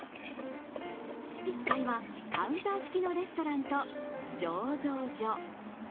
１階はカウンター式のレストランと醸造所。